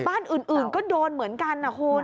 บ้านอื่นก็โดนเหมือนกันนะคุณ